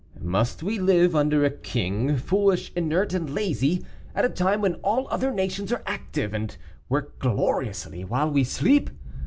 "Must we live under a king, foolish, inert, and lazy, at a time when all other nations are active, and work gloriously, while we sleep?